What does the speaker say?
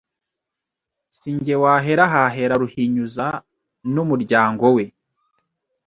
Si jye wahera hahera Ruhinyuza ni umuryangowe